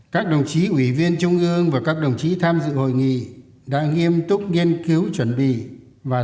các đồng chí ủy viên trung ương và các đồng chí tham dự hội nghị đã nghiêm túc nghiên cứu chuẩn bị và